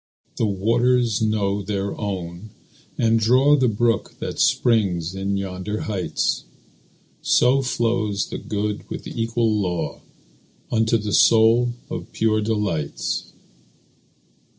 The waters know their own and draw The brook that springs in yonder heights; So flows the good with equal law Unto the soul of pure delights.